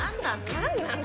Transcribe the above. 何なの？